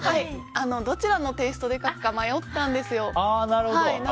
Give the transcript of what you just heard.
どちらのテイストで描くか迷ったんですよ。